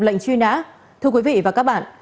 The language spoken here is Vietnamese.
lệnh truy nã thưa quý vị và các bạn